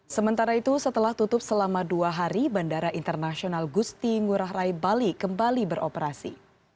sementara itu setelah tutup selama dua hari bandara internasional gusti ngurah rai bali kembali beroperasi